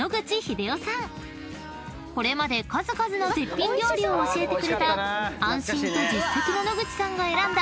［これまで数々の絶品料理を教えてくれた安心と実績の野口さんが選んだ］